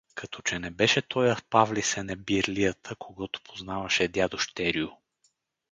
Като че не беше тоя Павли Сенебирлията, когото познаваше дядо Щерю.